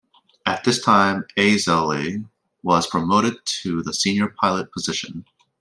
At this time, Eisele was promoted to the Senior Pilot position.